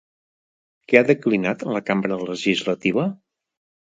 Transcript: Què ha declinat la Cambra Legislativa?